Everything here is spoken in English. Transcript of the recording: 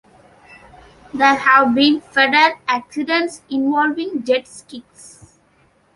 There have been fatal accidents involving Jet Skis.